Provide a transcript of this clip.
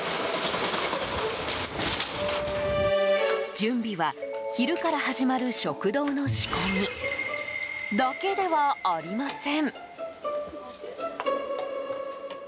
準備は昼から始まる食堂の仕込みだけではありません。